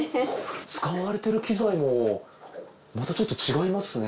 使われてる機材もまたちょっと違いますね。